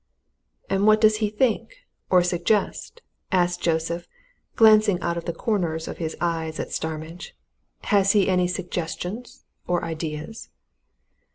"And what does he think, or suggest?" asked Joseph, glancing out of the corners of his eyes at Starmidge. "Has he any suggestions or ideas?"